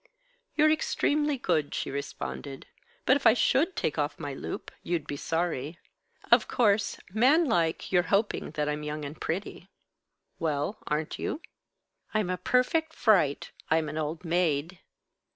"You're extremely good," she responded. "But if I should take off my loup, you'd be sorry. Of course, manlike, you're hoping that I'm young and pretty." "Well, and aren't you?" "I'm a perfect fright. I'm an old maid."